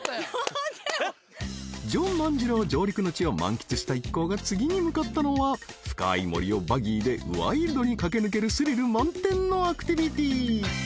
［ジョン万次郎上陸之地を満喫した一行が次に向かったのは深い森をバギーでワイルドに駆け抜けるスリル満点のアクティビティー］